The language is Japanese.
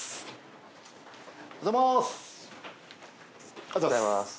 おはようございます。